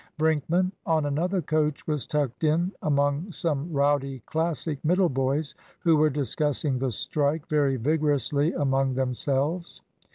Brinkman, on another coach, was tucked in among some rowdy Classic middle boys who were discussing the "strike" very vigorously among themselves.